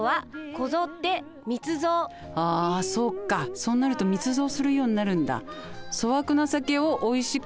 そうなると密造するようになるんだ。